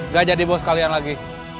gak jadi bos sekalian lagi